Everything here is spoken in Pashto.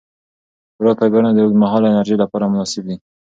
ورو فایبرونه د اوږدمهاله انرژۍ لپاره مناسب دي.